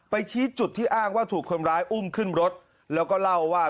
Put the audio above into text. ชี้จุดที่อ้างว่าถูกคนร้ายอุ้มขึ้นรถแล้วก็เล่าว่า